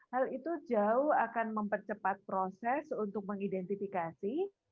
hal itu jauh akan mempercepat proses untuk mengidentifikasi